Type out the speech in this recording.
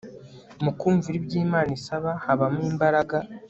Mu kumvira ibyo Imana isaba habamo imbaraga